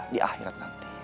di akhirat nanti